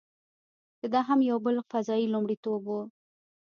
چې دا هم یو بل فضايي لومړیتوب و.